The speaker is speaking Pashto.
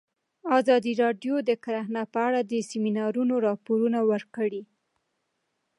ازادي راډیو د کرهنه په اړه د سیمینارونو راپورونه ورکړي.